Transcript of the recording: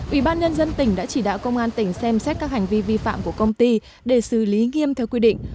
ủy ban nhân dân tỉnh đã chỉ đạo công an tỉnh xem xét các hành vi vi phạm của công ty để xử lý nghiêm theo quy định